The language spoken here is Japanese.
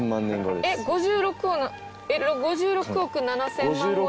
えっ５６５６億７０００万後に。